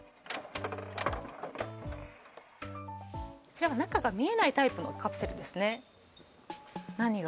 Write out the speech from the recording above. こちらは中が見えないタイプのカプセルですね